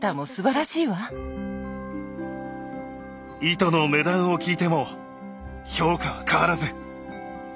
糸の値段を聞いても評価は変わらず。